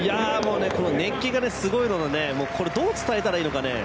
熱気がすごいのをどう伝えたらいいのかね。